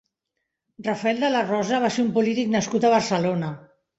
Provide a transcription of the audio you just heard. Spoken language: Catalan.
Rafael de la Rosa va ser un polític nascut a Barcelona.